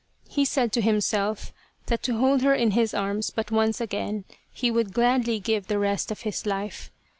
He said to himself that to hold her in his arms but once again he would gladly give the rest of his life.